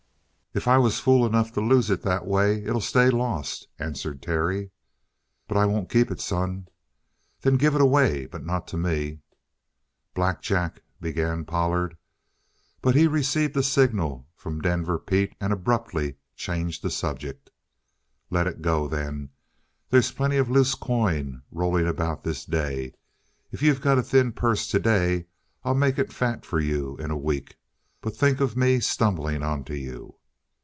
"If I was fool enough to lose it that way, it'll stay lost," answered Terry. "But I won't keep it, son." "Then give it away. But not to me." "Black Jack " began Pollard. But he received a signal from Denver Pete and abruptly changed the subject. "Let it go, then. They's plenty of loose coin rolling about this day. If you got a thin purse today, I'll make it fat for you in a week. But think of me stumbling on to you!"